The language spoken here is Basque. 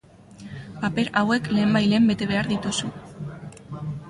Paper hauek lehenbailehen bete behar dituzu.